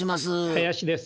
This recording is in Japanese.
林です。